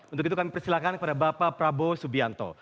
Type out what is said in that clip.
untuk itu kami persilakan kepada bapak prabowo subianto